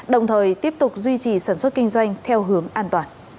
đồng thời tiếp tục duy trì sản xuất kinh doanh theo hướng an toàn